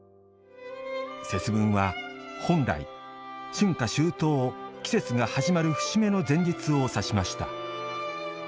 節分は本来、春夏秋冬季節が始まる節目の前日を指しました。